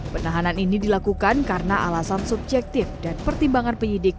penahanan ini dilakukan karena alasan subjektif dan pertimbangan penyidik